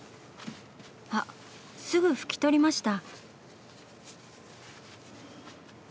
あっすぐ拭き取りました。